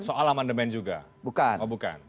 soal amendement juga bukan